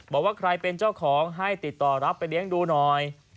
บอกว่าใครเป็นเจ้าของให้ติดต่อรับไปเลี้ยงดูหน่อย